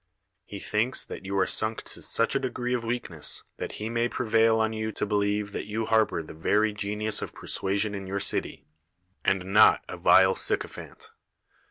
He thinks that you are sunk to such a degree of weakness that he may prevail on you to believe that you harbor the very ge nius of persuasion in your city, and not a vile sycophant.